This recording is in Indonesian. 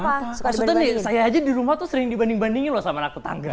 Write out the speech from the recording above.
maksudnya saya aja di rumah tuh sering dibanding bandingin loh sama anak tetangga